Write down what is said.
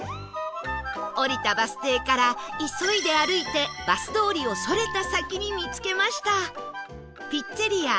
降りたバス停から急いで歩いてバス通りをそれた先に見つけました